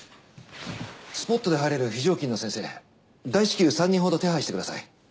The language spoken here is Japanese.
スポットで入れる非常勤の先生大至急３人ほど手配してください。